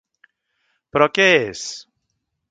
Però què és?